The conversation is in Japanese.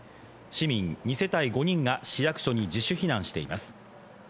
市民に世帯５人が市役所に自主避難しています。